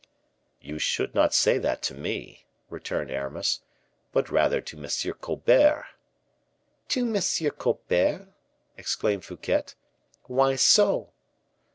"You should not say that to me," returned Aramis, "but rather to M. Colbert." "To M. Colbert!" exclaimed Fouquet. "Why so?"